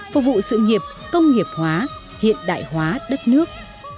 phục vụ sự nghiệp công nghiệp hóa hiện đại hóa đất nước